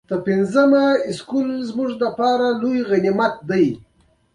هغه د ده په ګوته کې د سرو زرو ګوتمۍ ته کتل.